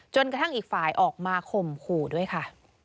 จนกระถั่งอีกฝ่ายออกมาข่มขู่ด้วยค่ะ